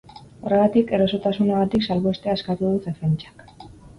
Horregatik, erotasunagatik salbuestea eskatu du defentsak.